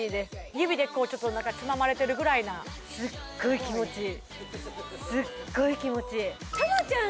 指でこうちょっと何かつままれてるぐらいなすっごい気持ちいいすっごい気持ちいい玉ちゃん